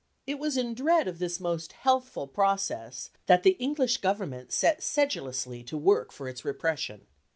It was in dread of this most healthful process, that the English Government set sedulously to work for its repression.